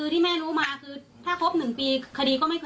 แม่ยังคงมั่นใจและก็มีความหวังในการทำงานของเจ้าหน้าที่ตำรวจค่ะ